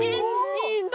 いいんだ！